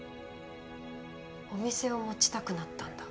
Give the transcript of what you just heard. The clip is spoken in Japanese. お店を持ちたくなったんだ？